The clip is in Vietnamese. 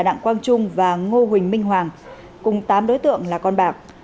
đặng quang trung và ngô huỳnh minh hoàng cùng tám đối tượng là con bạc